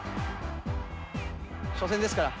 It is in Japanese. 初戦ですから。